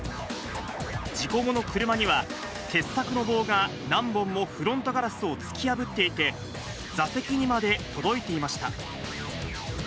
事故後の車には、鉄柵の棒が何本もフロントガラスを突き破っていて、座席にまで届いていました。